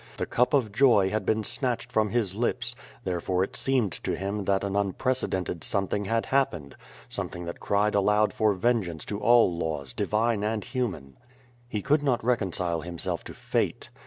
The cup of joy had been snatched from his lips, therefore it seemed to him that an unprece dented something had happened — something that cried aloud for vengeance to all laws, divine and human. He could not reconcile himself to fate.